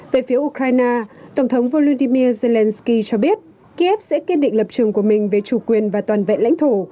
về phía ukraine tổng thống volodymyr zelensky cho biết kiev sẽ kiên định lập trường của mình về chủ quyền và toàn vẹn lãnh thổ